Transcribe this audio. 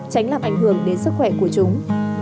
tránh làm ảnh hưởng đến sức khỏe của chúng